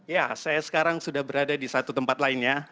ya saya sekarang sudah berada di satu tempat lainnya